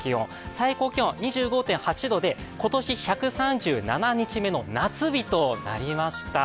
最高気温は２５．８度で、今年１３７日目の夏日となりました。